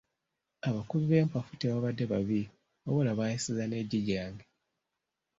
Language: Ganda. Abakubi b'empafu tebabadde babi wabula baayasizza n'eggi lyange.